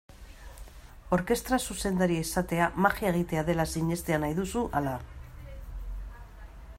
Orkestra zuzendaria izatea magia egitea dela sinestea nahi duzu, ala?